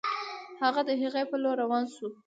هغه د هغې په لور روان شو